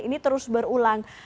ini terus berulang